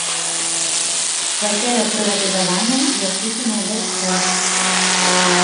Кватэра прыватызаваная і адпісаная дачцэ.